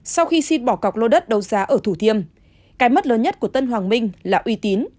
sau khi xin bỏ cọc lô đất đấu giá ở thủ thiêm cái mất lớn nhất của tân hoàng minh là uy tín